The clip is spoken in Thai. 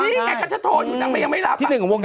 นี่ไงก็จะโทรอยู่นางมันยังไม่รับ